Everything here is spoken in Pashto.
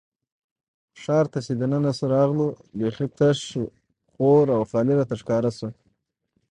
ښار ته چې دننه راغلو، بېخي تش، تور او خالي راته ښکاره شو.